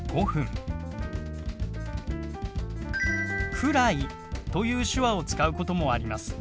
「くらい」という手話を使うこともあります。